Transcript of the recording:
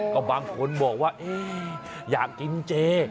ก็บางคนบอกว่าอยากกินเจ